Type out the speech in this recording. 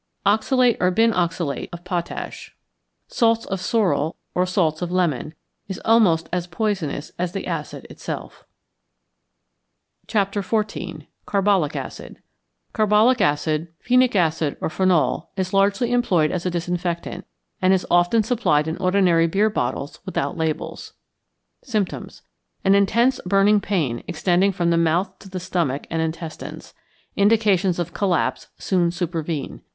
=Oxalate or Binoxalate of Potash= (salts of sorrel or salts of lemon) is almost as poisonous as the acid itself. XIV. CARBOLIC ACID =Carbolic Acid, Phenic Acid, or Phenol=, is largely employed as a disinfectant, and is often supplied in ordinary beer bottles without labels. Symptoms. An intense burning pain extending from the mouth to the stomach and intestines. Indications of collapse soon supervene.